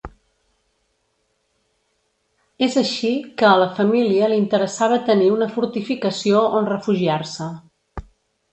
És així que a la família li interessava tenir una fortificació on refugiar-se.